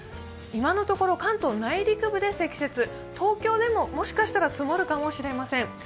今のところ、関東内陸部で積雪、東京でももしかしたら積もるかもしれません。